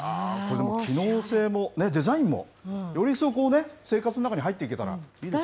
機能性もデザインも、よりそこを生活の中に入っていけたらいいですよね。